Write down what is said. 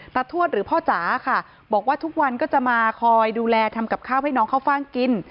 ทวดหรือพ่อจ๋าค่ะบอกว่าทุกวันก็จะมาคอยดูแลทำกับข้าวให้น้องข้าวฟ่างกิน